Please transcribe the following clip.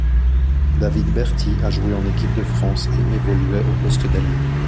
David Berty a joué en équipe de France et évoluait au poste d'ailier.